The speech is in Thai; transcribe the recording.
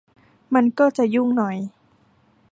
มันก็จะยุ่งหน่อย